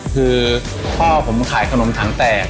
คือพ่อผมขายขนมถังแตก